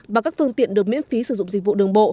và các phương tiện được miễn phí sử dụng dịch vụ đường bộ